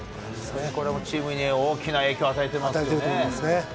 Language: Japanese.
これもチームに大きな影響与与えてると思いますね。